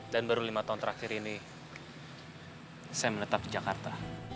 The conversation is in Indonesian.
dan baru lima tahun terakhir ini saya menetap di jakarta